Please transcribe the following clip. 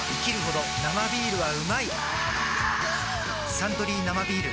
「サントリー生ビール」